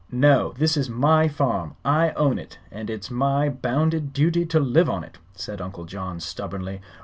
"No; this is my farm. I own it, and it's my bounded duty to live on it," said Uncle John, stubbornly.